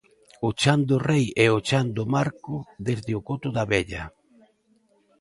O Chan do Rei e o Chan do Marco desde o Coto da Vella.